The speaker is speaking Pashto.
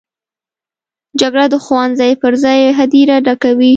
جګړه د ښوونځي پر ځای هدیره ډکوي